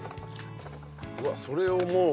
うわっそれをもう。